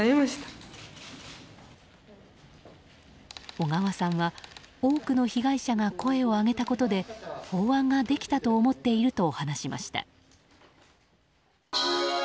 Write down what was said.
小川さんは多くの被害者が声を上げたことで法案ができたと思っていると話しました。